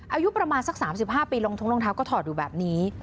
อายุประมาณสักสามสิบห้าปีรองทุ้งรองเท้าก็ถอดอยู่แบบนี้